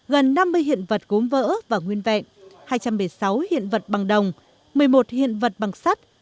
gần năm mươi hiện vật gốm vỡ và nguyên vẹn hai trăm một mươi sáu hiện vật bằng đồng một mươi một hiện vật bằng sắt